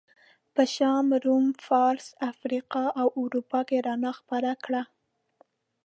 په شام، روم، فارس، افریقا او اروپا کې رڼا خپره کړه.